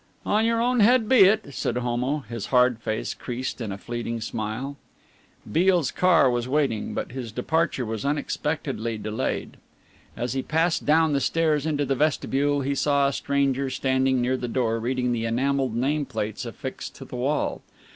"On your own head be it," said Homo, his hard face creased in a fleeting smile. Beale's car was waiting, but his departure was unexpectedly delayed. As he passed down the stairs into the vestibule he saw a stranger standing near the door reading the enamelled name plates affixed to the wall.